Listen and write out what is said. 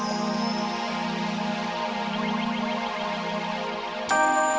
eh bokap pelanggan pelanggan bokap